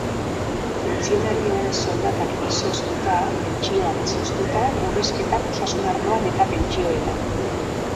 Funtzionarioen soldatak izoztuta, pentsioak izoztuta, murrizketak osasun arloan eta pentsioetan.